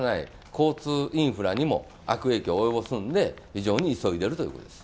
交通インフラにも悪影響を及ぼすんで、非常に急いでいるということです。